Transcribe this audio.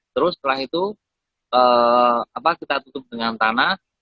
terus setelah itu kita tutup dengan tanah